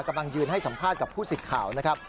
กำลังยืนให้สัมภาษณ์กับผู้สิทธิ์ข่าวนะครับ